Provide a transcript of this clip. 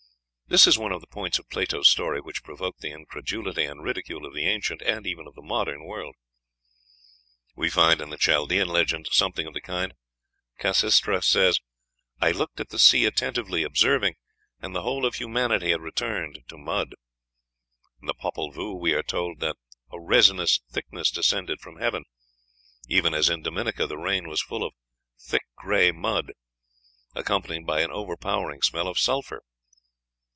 This is one of the points of Plato's story which provoked the incredulity and ridicule of the ancient, and even of the modern, world. We find in the Chaldean legend something of the same kind: Khasisatra says, "I looked at the sea attentively, observing, and the whole of humanity had returned to mud." In the "Popol Vuh" we are told that a "resinous thickness descended from heaven," even as in Dominica the rain was full of "thick gray mud," accompanied by an "overpowering smell of sulphur."